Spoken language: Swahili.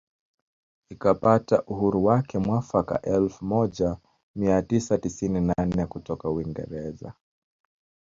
Ikapata uhuru wake mwaka elfu moja mia tisa tisini na nne kutoka kwa Uingereza